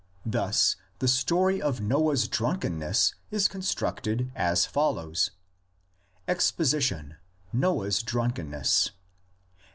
Thus, the story of Noah's drunkenness is con structed as follows: Exposition, Noah's drunken ness.